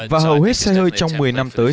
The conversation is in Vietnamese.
và hầu hết xe hơi trong một mươi năm tới